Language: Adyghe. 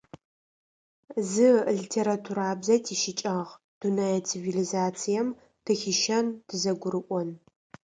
Зы литературабзэ тищыкӀагъ: дунэе цивилизацием тыхищэн; тызэгурыӏон.